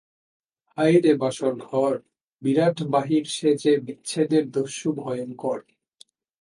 হায় রে বাসরঘর, বিরাট বাহির সে যে বিচ্ছেদের দস্যু ভয়ংকর।